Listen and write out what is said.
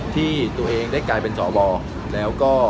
ที่ตัวเองได้กลายเป็นสวแล้วก็